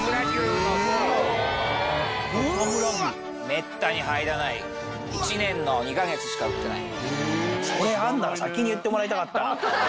めったに入らない一年の２か月しか売ってない。